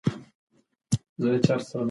د کور دننه لوګي روغتيا خرابوي.